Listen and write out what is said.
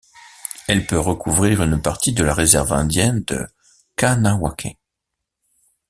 Elle peut recouvrir une partie de la réserve indienne de Kahnawake.